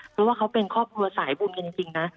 เพราะว่าเขาเป็นครอบครัวสายบุญกันจริงนะ